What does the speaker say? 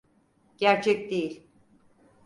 Gerçek değil.